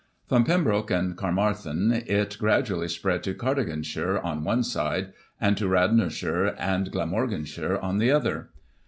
From Pembroke and Caermarthen, it gradually spread to Cardiganshire, on one side, and to Radnorshire and Glam organshire, on the other.